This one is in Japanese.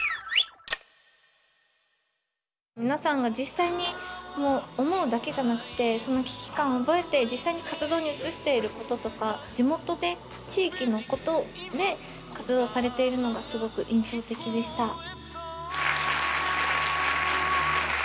皆さんが実際に思うだけじゃなくてその危機感を覚えて実際に活動に移していることとか地元で地域のことで活動されているのがすごく印象的でした。